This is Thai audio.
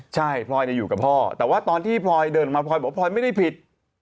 ใช่พลอยอยู่กับพ่อแต่ว่าตอนที่พลอยเดินมาพลอยบอกว่าพลอยไม่ได้ผิด